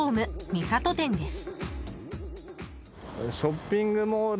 三郷店です。